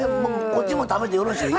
こっちも食べてよろしい？